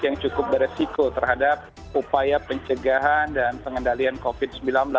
yang cukup beresiko terhadap upaya pencegahan dan pengendalian covid sembilan belas